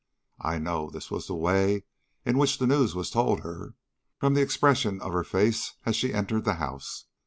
I know this was the way in which the news was told her, from the expression of her face as she entered the house.